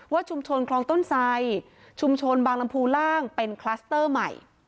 ชุมชนคลองต้นไสชุมชนบางลำพูล่างเป็นคลัสเตอร์ใหม่